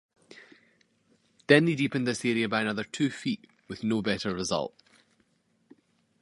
They then deepened this area by another two feet with no better result.